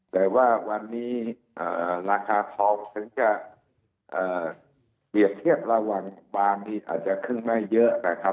แต่ว่าวันนี้ราคาทองถึงจะเปรียบเทียบระหว่างบางที่อาจจะขึ้นไม่เยอะนะครับ